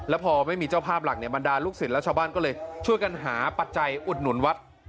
แล้วพอไม่มีเจ้าภาพหลักเนี่ยบรรดาลูกศิษย์และชาวบ้านก็เลยช่วยกันหาปัจจัยอุดหนุนวัด